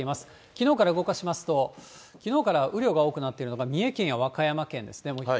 きのうから動かしますと、きのうから雨量が多くなっているのが、三重県や和歌山県ですね。